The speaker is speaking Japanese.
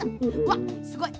わっすごい！